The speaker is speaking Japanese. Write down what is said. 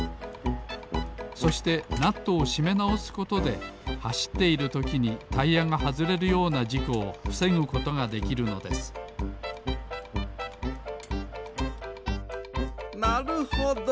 そしてナットをしめなおすことではしっているときにタイヤがはずれるようなじこをふせぐことができるのですなるほど！